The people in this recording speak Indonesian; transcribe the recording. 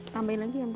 tambah lagi ya bu